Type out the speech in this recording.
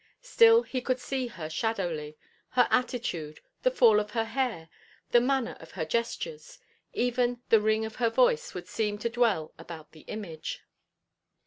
Still he could see her shadowly; her attitude, the fall of her hair, the manner of her gestures; even the ring of her voice would seem to dwell about the image.